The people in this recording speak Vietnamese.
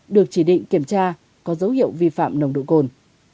được chỉ định kiểm tra có dấu hiệu vi phạm nồng độ cồn